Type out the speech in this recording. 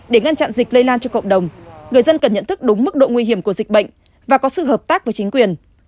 để ngăn chặn dịch lây lan cho cộng đồng người dân cần nhận thức đúng mức độ nguy hiểm của dịch bệnh và có sự hợp tác với chính quyền